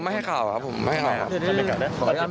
อ๋อไม่ให้ข่าวครับผมไม่ให้ข่าวครับ